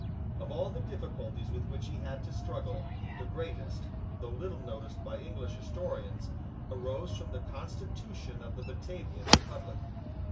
Of all the difficulties with which he had to struggle, the greatest, though little noticed by English historians, arose from the constitution of the Batavian republic.